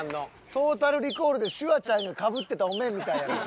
「トータル・リコール」でシュワちゃんがかぶってたお面みたいやねん！